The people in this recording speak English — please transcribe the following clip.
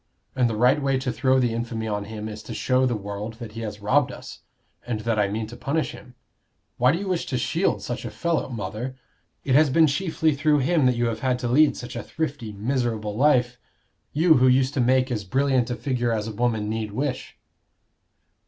And the right way to throw the infamy on him is to show the world that he has robbed us, and that I mean to punish him. Why do you wish to shield such a fellow, mother? It has been chiefly through him that you have had to lead such a thrifty, miserable life you who used to make as brilliant a figure as a woman need wish."